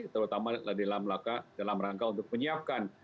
terutama dalam rangka untuk menyiapkan